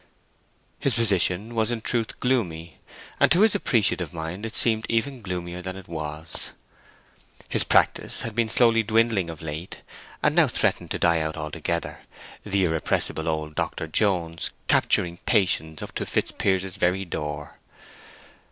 His position was in truth gloomy, and to his appreciative mind it seemed even gloomier than it was. His practice had been slowly dwindling of late, and now threatened to die out altogether, the irrepressible old Dr. Jones capturing patients up to Fitzpiers's very door.